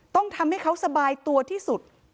ต้องทำให้เขาสบายตัวที่สุด